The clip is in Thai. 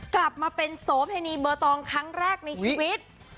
กลับมาเป็นโสเพณีเบอร์ตองครั้งแรกในชีวิต